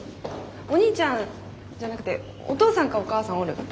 お兄ちゃんじゃなくてお父さんかお母さんおる？